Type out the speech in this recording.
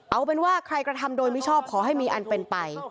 เอาเป็นว่าใครกระทำโดยมิชอบขอให้มีอันเป็นไป